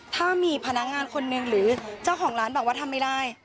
ถ้ามีพนักงานคนหนึ่งหรือเจ้าของร้านบอกว่าทำไม่ได้